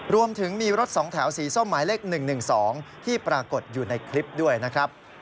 รวมถึงมีรถ๒แถวสีส้มหมายเลข๑๑๒ที่ปรากฏอยู่ในคลิปด้วยนะครับ